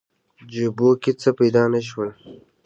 جیبو کې څه پیدا نه شول.